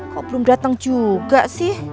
kok belum datang juga sih